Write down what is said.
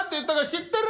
知ってる？